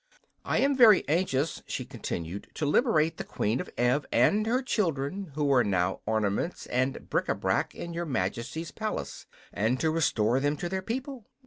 "I am very anxious," she continued, "to liberate the Queen of Ev and her children who are now ornaments and bric a brac in your Majesty's palace, and to restore them to their people.